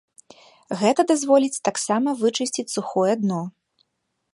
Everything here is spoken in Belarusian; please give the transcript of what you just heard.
Гэта дазволіць таксама вычысціць сухое дно.